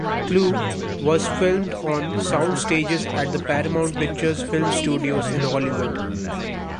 "Clue" was filmed on sound stages at the Paramount Pictures film studios in Hollywood.